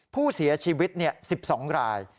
ผู้เสียชีวิต๑๒ราย